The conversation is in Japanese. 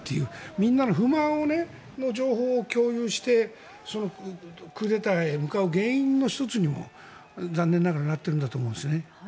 みんなの不満の情報を共有してクーデターへ向かう原因の１つにも残念ながらなっているんだと思うんですね。